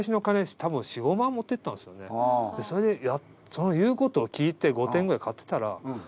それで言うことを聞いて５点ぐらい買ってたら。